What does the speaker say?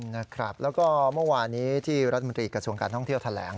แล้วก็เมื่อวานี้ที่รัฐมนตรีกระทรวงการท่องเที่ยวแถลง